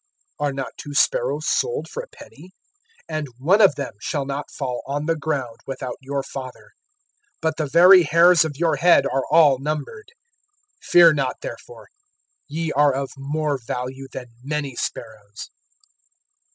(29)Are not two sparrows sold for a penny? And one of them shall not fall on the ground without your Father. (30)But the very hairs of your head are all numbered. (31)Fear not therefore; ye are of more value than many sparrows.